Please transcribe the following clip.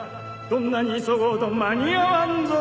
どんなに急ごうと間に合わんぞ！